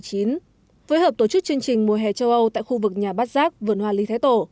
phối hợp tổ chức chương trình mùa hè châu âu tại khu vực nhà bát giác vườn hoa lý thái tổ